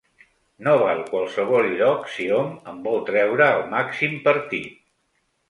No val qualsevol lloc si hom en vol treure el màxim partit.